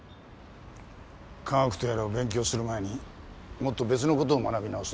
科学とやらを勉強する前にもっと別の事を学び直すんだな。